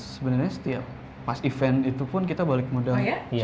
sebenarnya setiap pas event itu pun kita balik modal ya